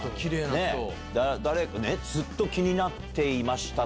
誰か「ずっと気になっていました」と。